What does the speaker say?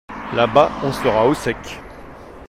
Là-bas, on sera au sec!